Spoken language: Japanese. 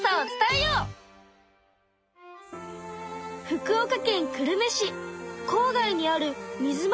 福岡県久留米市こう外にあるみづ